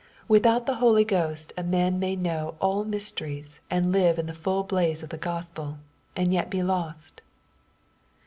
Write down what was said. Without the Holy Ghost a man may know all mysteries, and live in the full blaze of the Gospel, and yet be lost.